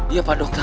iya pak dokter